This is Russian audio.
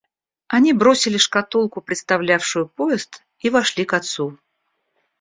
Они бросили шкатулку, представлявшую поезд, и вошли к отцу.